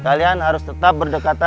kayak yang harus tetap berhidat